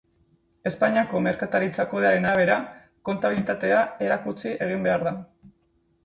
Espainiako Merkataritza Kodearen arabera, kontabilitatea erakutsi egin behar da.